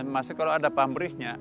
masih kalau ada pamrihnya